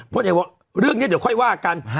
พลเอกบอกเรื่องนี้เดี๋ยวค่อยว่ากัน